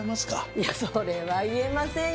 いやそれは言えませんよ。